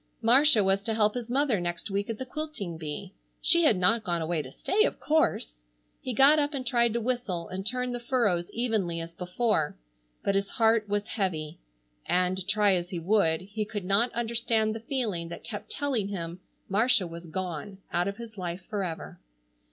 Marcia was to help his mother next week at the quilting bee. She had not gone away to stay, of course. He got up and tried to whistle and turn the furrows evenly as before, but his heart was heavy, and, try as he would, he could not understand the feeling that kept telling him Marcia was gone out of his life forever.